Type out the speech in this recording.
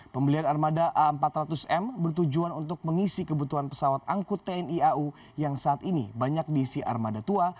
pembelian armada a empat ratus m bertujuan untuk mengisi kebutuhan pesawat angkut tni au yang saat ini banyak diisi armada tua